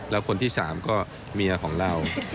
แล้วคนที่๓ก็เมียของเรา